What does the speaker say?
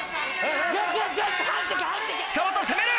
塚本攻める！